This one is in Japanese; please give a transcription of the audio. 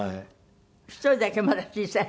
１人だけまだ小さい。